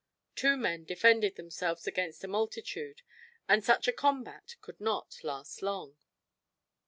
Two men defended themselves against a multitude; and such a combat could not last long.